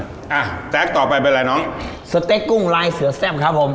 อ่ะแต๊กต่อไปเป็นอะไรน้องสเต็กกุ้งลายเสือแซ่บครับผม